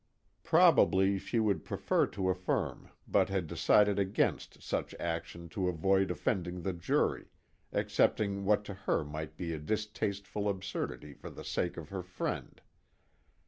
Probably she would prefer to affirm but had decided against such action to avoid offending the jury, accepting what to her might be a distasteful absurdity for the sake of her friend.